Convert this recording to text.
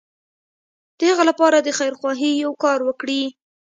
د هغه لپاره د خيرخواهي يو کار وکړي.